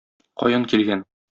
Каян килгән?